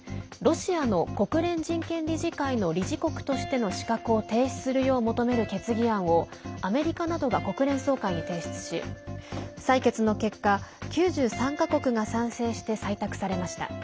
ロシアの国連人権理事会の理事国としての資格を停止するよう求める決議案をアメリカなどが国連総会に提出し採決の結果、９３か国が賛成して採択されました。